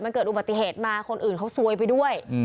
มันเกิดอุบัติเหตุมาคนอื่นเขาซวยไปด้วย